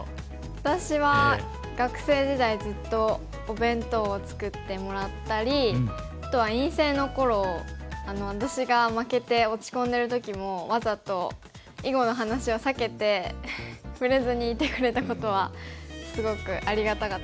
私は学生時代ずっとお弁当を作ってもらったりあとは院生の頃私が負けて落ち込んでる時もわざと囲碁の話を避けて触れずにいてくれたことはすごくありがたかったです。